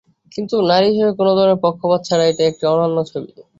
কিন্তু নারী হিসেবে কোনো ধরনের পক্ষপাত ছাড়াই এটি একটি অনন্য ছবি।